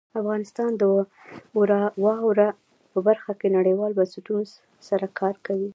افغانستان د واوره په برخه کې نړیوالو بنسټونو سره کار کوي.